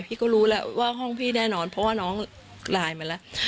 พี่ก็รู้แล้วว่าห้องพี่แน่นอนเพราะว่าน้องไลน์มาแล้ว